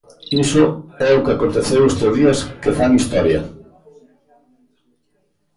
Iso é o que aconteceu estes días que fan historia.